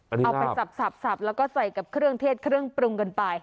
เอาไปสับแล้วก็ใส่กับเครื่องเทศเครื่องปรุงกันไป